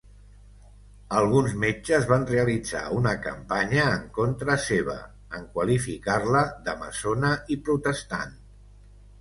Alguns metges van realitzar una campanya en contra seva, en qualificar-la de maçona i protestant.